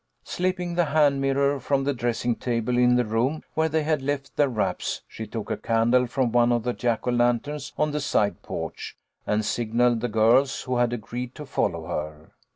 Slipping the hand mirror from the dressing table in the room where they had left their wraps, she took a candle from one of the Jack o' lanterns on the side porch, and signalled the girls who had agreed to follow her.